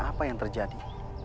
apa yang terjadi